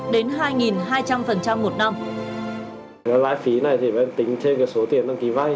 lãi phí này thì phải tính thêm số tiền tăng ký vay